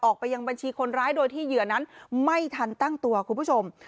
ออกไปยังบัญชีคนร้ายโดยที่เหยื่อนั้นไม่ทันตั้งตัวคุณผู้ชม